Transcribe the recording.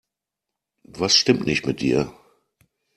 Was stimmt nicht mit dir?